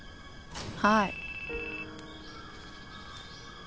はい。